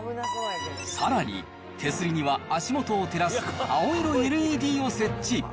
さらに、手すりには足元を照らす青色ＬＥＤを設置。